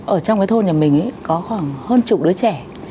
ở trong cái thôn nhà mình có khoảng hơn chục đứa trẻ